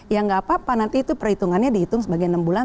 ya nggak apa apa nanti itu perhitungannya dihitung sebagai enam bulan